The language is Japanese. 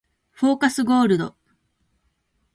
フォーカスゴールド